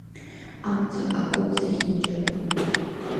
Амца акуп зехьынџьара.